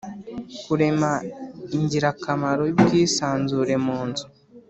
Kurema ingirakamaro y ubwisanzure munzu